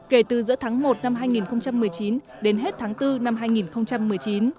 kể từ giữa tháng một năm hai nghìn một mươi chín đến hết tháng bốn năm hai nghìn một mươi chín